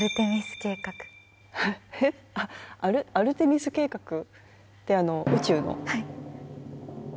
アルテミス計画って、あの、宇宙の？